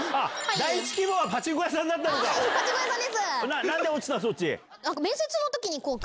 第１希望はパチンコ屋さんだったのか。